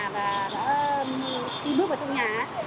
và khi bước vào trong nhà